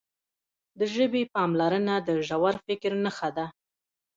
د ژبې پاملرنه د ژور فکر نښه ده.